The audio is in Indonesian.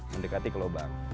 mendekati ke lubang